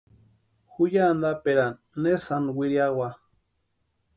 Ju ya antaperani ne sáni wiriawa.